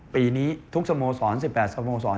ปีนี้ทุกสโมสร๑๘สโมสร